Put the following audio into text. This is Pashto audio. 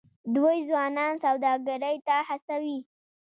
دوی ځوانان سوداګرۍ ته هڅوي.